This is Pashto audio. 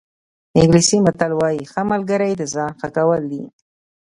انګلیسي متل وایي ښه ملګری د ځان ښه کول دي.